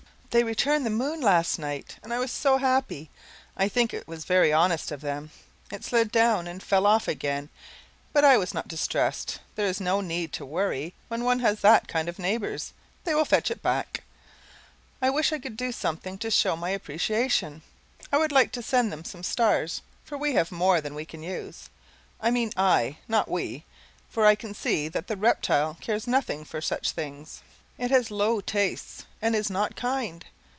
They returned the moon last night, and I was SO happy! I think it is very honest of them. It slid down and fell off again, but I was not distressed; there is no need to worry when one has that kind of neighbors; they will fetch it back. I wish I could do something to show my appreciation. I would like to send them some stars, for we have more than we can use. I mean I, not we, for I can see that the reptile cares nothing for such things. It has low tastes, and is not kind.